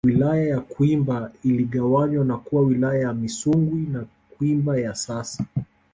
Wilaya ya Kwimba iligawanywa na kuwa Wilaya ya Misungwi na Kwimba ya sasa